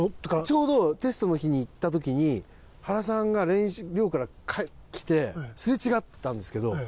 ちょうどテストの日に行った時に原さんが練習寮から来てすれ違ったんですけど